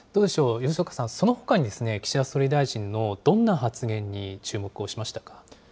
吉岡さん、そのほかに岸田総理大臣のどんな発言に注目をしましたか？